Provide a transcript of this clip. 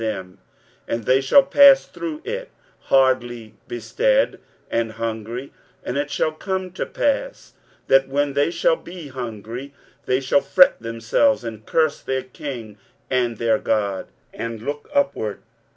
23:008:021 And they shall pass through it, hardly bestead and hungry: and it shall come to pass, that when they shall be hungry, they shall fret themselves, and curse their king and their God, and look upward.